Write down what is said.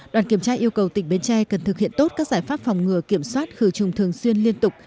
đoàn kiểm tra yêu cầu tỉnh bến tre cần thực hiện tốt các giải pháp phòng ngừa kiểm soát khử trùng thường xuyên liên tục